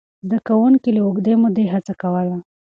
زده کوونکي له اوږدې مودې هڅه کوله.